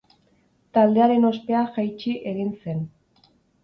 Taldearen ospea jaitsi egin zen.